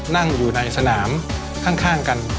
นั่งอยู่ในสนามข้างกัน